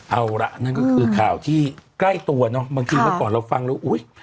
เอาล่ะนั่นก็คือข่าวที่ใกล้ตัวเนาะบางทีเมื่อก่อนเราฟังแล้วอุ๊ย